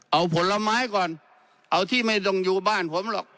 เอาผลไม้ก่อนเอาที่ไม่ต้องอยู่บ้านผมหรอก